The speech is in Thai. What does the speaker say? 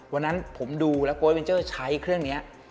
วันนั้นผมดูแล้วโกยเวนเจอร์ใช้เครื่องนี้